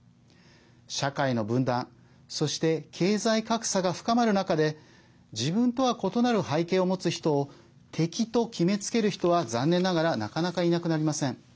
社会の分断そして経済格差が深まる中で自分とは異なる背景を持つ人を敵と決めつける人は残念ながらなかなかいなくなりません。